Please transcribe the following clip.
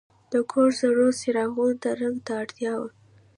د کور زړو څراغونو ته رنګ ته اړتیا وه.